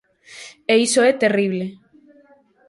E iso é terrible.